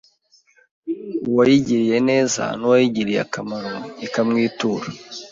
uwayigiriye neza n’uwayigiriye akamaro, ikamwitura